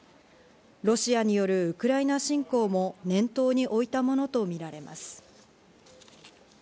ロシアによるウクライナ侵攻も念頭に置いたものとみられます。